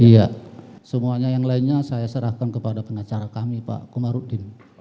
iya semuanya yang lainnya saya serahkan kepada pengacara kami pak komarudin